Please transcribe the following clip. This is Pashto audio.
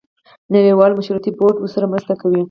نړیوال مشورتي بورډ ورسره مرسته کوي.